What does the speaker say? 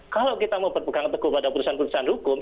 kalau kita mau berpegang teguh pada perusahaan perusahaan hukum